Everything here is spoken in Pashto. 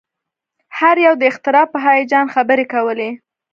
هر یو د اختراع په هیجان خبرې کولې